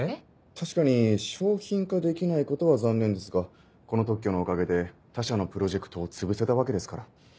確かに商品化できないことは残念ですがこの特許のおかげで他社のプロジェクトをつぶせたわけですから。